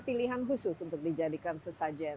pilihan khusus untuk dijadikan sesajen